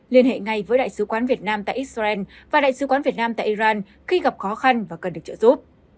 liên hệ ngay với đại sứ quán việt nam tại israel và đại sứ quán việt nam tại iran khi gặp khó khăn và cần được trợ giúp